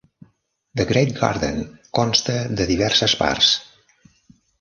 The Great Garden consta de diverses parts.